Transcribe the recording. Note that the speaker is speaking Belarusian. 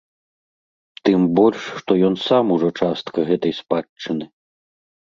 Тым больш што ён сам ужо частка гэтай спадчыны.